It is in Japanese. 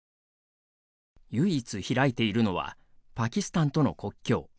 唯一開いているのはパキスタンとの国境。